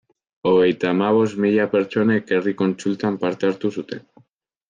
Hogeita hamabost mila pertsonek herri kontsultan parte hartu zuten.